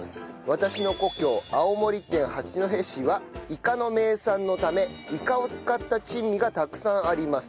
私の故郷青森県八戸市はイカの名産のためイカを使った珍味がたくさんあります。